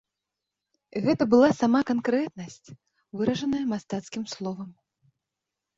Гэта была сама канкрэтнасць, выражаная мастацкім словам.